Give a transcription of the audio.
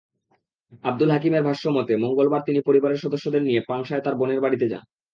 আবদুল হাকিমের ভাষ্যমতে, মঙ্গলবার তিনি পরিবারের সদস্যদের নিয়ে পাংশায় তাঁর বোনের বাড়িতে যান।